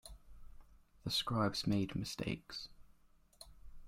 The scribes made mistakes.